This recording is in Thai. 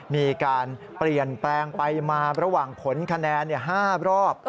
มีการเปลี่ยนแปลงไปมาระหว่างผลคะแนน๕รอบ